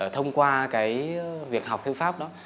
thông qua cái việc học thư pháp đó